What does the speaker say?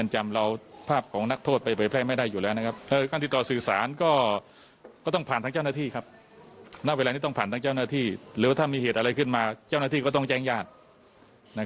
หรือว่าถ้ามีเหตุอะไรขึ้นมาเจ้าหน้าที่ก็ต้องแจ้งญาติ